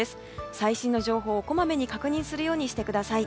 最新の情報をこまめに確認するようにしてください。